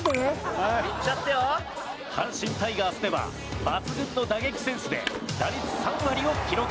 阪神タイガースでは抜群の打撃センスで打率３割を記録。